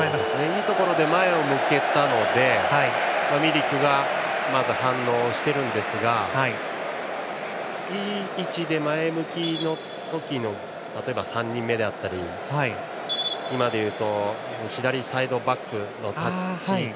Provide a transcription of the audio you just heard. いいところで前を向けたのでミリクがまず反応しているんですがいい位置で前向きの時の例えば、３人目であったり今のでいうと左サイドバックの立ち位置